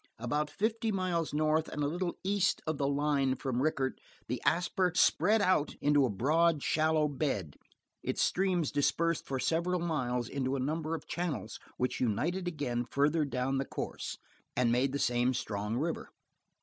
About fifty miles north and a little east of the line from Rickett the Asper spread out into a broad, shallow bed, its streams dispersed for several miles into a number of channels which united again, farther down the course, and made the same strong river.